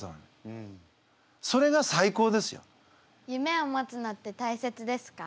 夢を持つのって大切ですか？